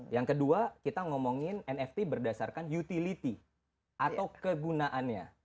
yang kedua kita ngomongin nft berdasarkan utility atau kegunaannya